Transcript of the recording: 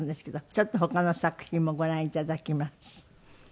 ちょっと他の作品もご覧頂きます。